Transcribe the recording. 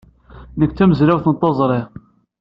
Nekk d tamezrawt n tẓuri.